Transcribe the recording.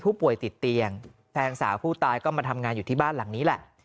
ป่วยติดเตียงแฟนสาวผู้ตายก็มาทำงานอยู่ที่บ้านหลังนี้แหละ